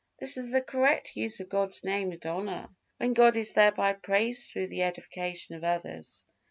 This is the correct use of God's Name and honor, when God is thereby praised through the edification of others.